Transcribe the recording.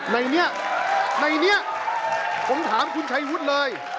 ในนี้ผมถามคุณชัยวุฒิเลย